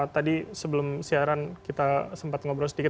tadi sebelum siaran kita sempat ngobrol sedikit